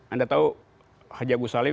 anda tahu haji agus salim